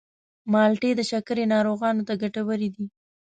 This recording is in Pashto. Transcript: مالټې د شکرې ناروغانو ته ګټورې دي.